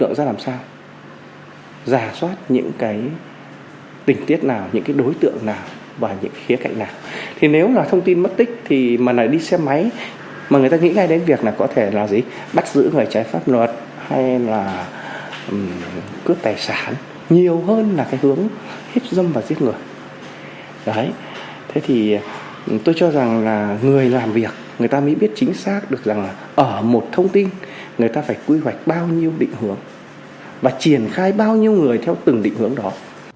ở một thông tin người ta phải quy hoạch bao nhiêu định hướng và triển khai bao nhiêu người theo từng định hướng đó